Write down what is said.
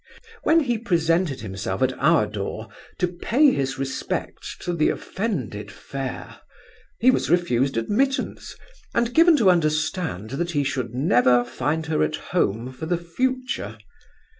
When he presented himself at our door, to pay his respects to the offended fair, he was refused admittance, and given to understand that he should never find her at home for the future.